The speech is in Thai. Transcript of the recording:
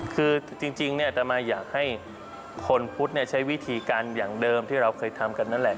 คือจริงเนี่ยตามมาอยากให้คนพุทธใช้วิธีการอย่างเดิมที่เราเคยทำกันนั่นแหละ